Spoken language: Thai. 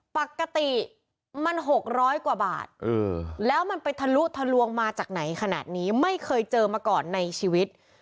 ปกติมัน๖๐๐กว่าบาทแล้วมันไปทะลุทะลวงมาจากไหนขนาดนี้ไม่เคยเจอมาก่อนในชีวิต